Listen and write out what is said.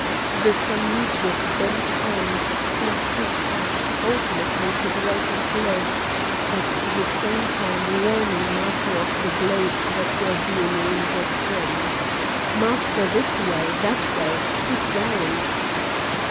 The Samnite with bent hams swept his axe alternately to the right and left, at the same time warning Matho of the blows that were being aimed at him. "Master, this way! that way! stoop down!"